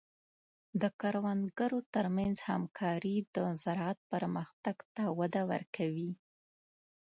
د کروندګرو تر منځ همکاري د زراعت پرمختګ ته وده ورکوي.